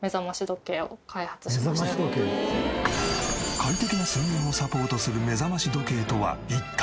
快適な睡眠をサポートする目覚まし時計とは一体？